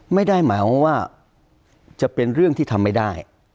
ไม่ได้หมายความว่าจะเป็นเรื่องที่ทำไม่ได้